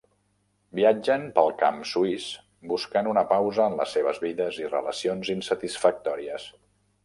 Viatgen pel camp suís, buscant una pausa en les seves vides i relacions insatisfactòries.